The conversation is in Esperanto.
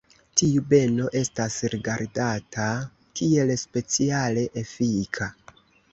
Tiu beno estas rigardata kiel speciale efika.